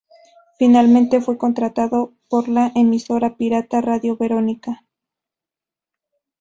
Finalmente fue contratado por la emisora pirata Radio Veronica.